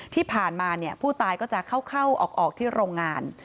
ที่ผ่านมาผู้ตายก็จะเข้าออกที่โรงงาน